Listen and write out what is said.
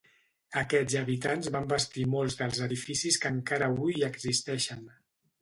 Aquests habitants van bastir molts dels edificis que encara avui hi existeixen.